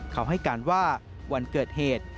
เขาให้การว่าวันเกิดเหตุ